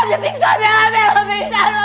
bella aku dipiksa bella bella aku dipiksa